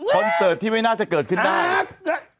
เสิร์ตที่ไม่น่าจะเกิดขึ้นได้